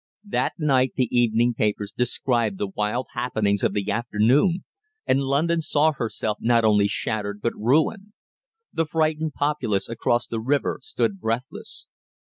That night the evening papers described the wild happenings of the afternoon, and London saw herself not only shattered, but ruined. The frightened populace across the river stood breathless.